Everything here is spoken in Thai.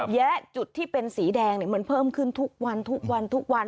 ยักษ์จุดที่เป็นสีแดงเหมือนเพิ่มขึ้นทุกวัน